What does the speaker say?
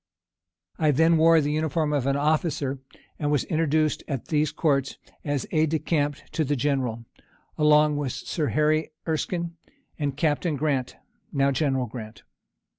I then wore the uniform of an officer, and was introduced at these courts as aid de camp to the general, along with Sir Harry Erskine and Captain Grant, now General Grant.